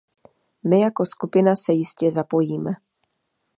My jako skupina se jistě zapojíme.